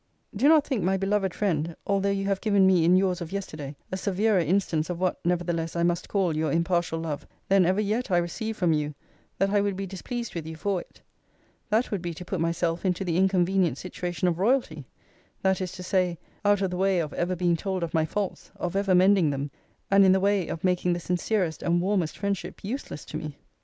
Do not think, my beloved friend, although you have given me in yours of yesterday a severer instance of what, nevertheless, I must call your impartial love, than ever yet I received from you, that I would be displeased with you for it. That would be to put myself into the inconvenient situation of royalty: that is to say, out of the way of ever being told of my faults; of ever mending them: and in the way of making the sincerest and warmest friendship useless to me.